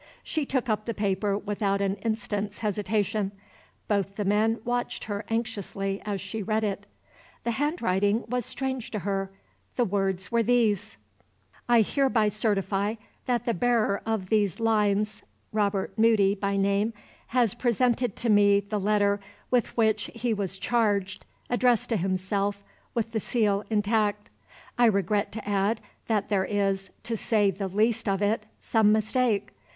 She took up the paper without an instant's hesitation. Both the men watched her anxiously as she read it. The handwriting was strange to her. The words were these: "I hereby certify that the bearer of these lines, Robert Moody by name, has presented to me the letter with which he was charged, addressed to myself, with the seal intact. I regret to add that there is, to say the least of it, some mistake.